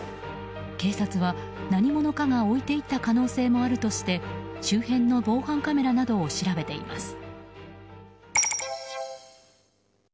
警察は、何者かが置いていった可能性もあるとして周辺の防犯カメラなどを調べています。